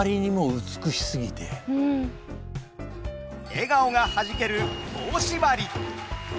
笑顔がはじける「棒しばり」。